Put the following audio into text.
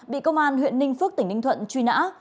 bị công an huyện ninh phước tỉnh ninh thuận truy nã